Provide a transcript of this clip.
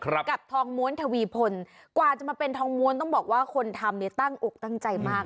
กับทองม้วนทวีพลกว่าจะมาเป็นทองม้วนต้องบอกว่าคนทำเนี่ยตั้งอกตั้งใจมาก